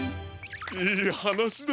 いいはなしだ。